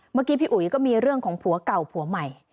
เมื่อกี้พี่อุ๋ยก็มีเรื่องของผัวเก่าผัวใหม่